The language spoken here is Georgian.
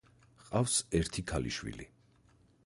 ჰყავს ერთი ქალიშვილი.